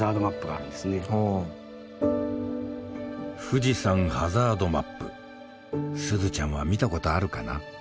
富士山ハザードマップすずちゃんは見たことあるかな？